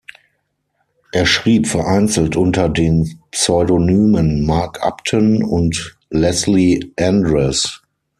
Er schrieb vereinzelt unter den Pseudonymen "Mark Upton" und "Lesley Andress".